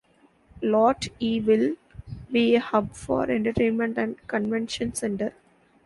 Lot E will be a hub for entertainment and convention centre.